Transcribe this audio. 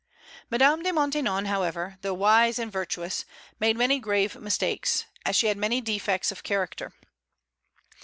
Madame de Maintenon, however, though wise and virtuous, made many grave mistakes, as she had many defects of character.